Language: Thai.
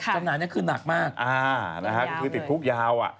จำหน่ายนี่คือหนักมากคือติดคุกยาว